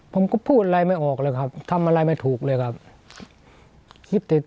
ผมก็พูดอะไรไม่ออกเลยครับทำอะไรไม่ถูกเลยครับ